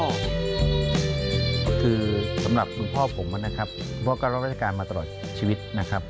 ก็คือสำหรับคุณพ่อผมนะครับพ่อก็รับราชการมาตลอดชีวิตนะครับ